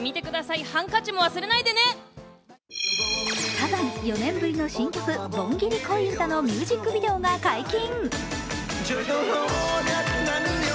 サザン、４年ぶりの新曲「盆ギリ恋歌」のミュージックビデオが解禁。